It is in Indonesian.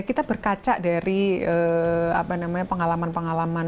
kita berkaca dari pengalaman pengalaman